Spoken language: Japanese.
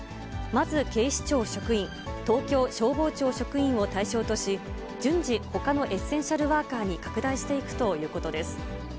まず警視庁職員、東京消防庁職員を対象とし、順次、ほかのエッセンシャルワーカーに拡大していくということです。